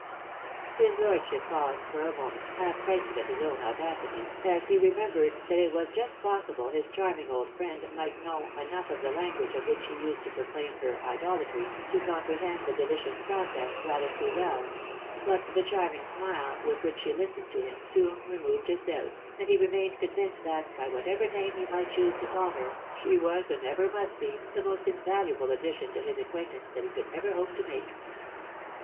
His lordship paused for a moment, half frightened at his own audacity, as he remembered that it was just possible his charming old friend might know enough of the language of which she used to proclaim " her idolatry," to comprehend the "deUcious process" rather too well; but the charming smUe with which she listened to him, soon remored his doubts, and he remained convinced that, by whatever name he might choose to call her, she was, and ever must be, the most invaluable addition to his acquaintance that he could ever hope to make.